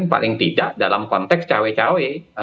paling tidak dalam konteks cewek cewek